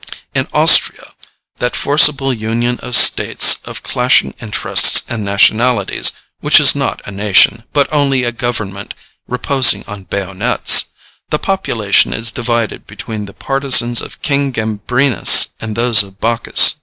In Austria, that forcible union of States of clashing interests and nationalities, which is not a nation, but only a government reposing on bayonets, the population is divided between the partisans of King Gambrinus and those of Bacchus.